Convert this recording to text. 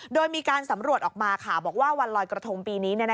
โดยมีการสำรวจออกมาบอกว่าวันลอยกระทงปีนี้